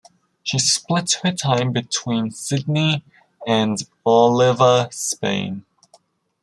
She splits her time between Sydney and Oliva, Spain.